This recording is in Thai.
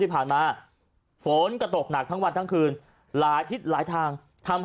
ที่ผ่านมาฝนก็ตกหนักทั้งวันทั้งคืนหลายทิศหลายทางทำให้